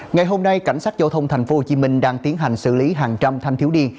ngày hôm nay cảnh sát giao thông tp hcm đang tiến hành xử lý hàng trăm thanh thiếu niên